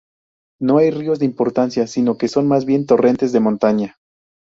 No hay ríos de importancia, sino que son más bien torrentes de montaña.